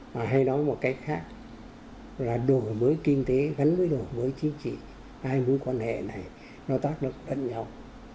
mà hay nói một cách khác là đổi mới kinh tế gắn với đổi mới chính trị hai mối quan hệ này nó tác động lẫn nhau